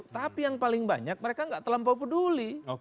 tapi yang paling banyak mereka nggak terlampau peduli